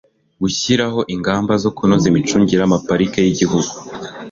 gushyiraho ingamba zo kunoza imicungire y'amaparike y'igihugu